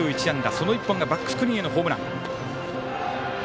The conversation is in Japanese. その１本がバックスクリーンへのホームラン。